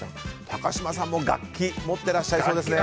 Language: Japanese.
高嶋さんも楽器持っていらっしゃいそうですね。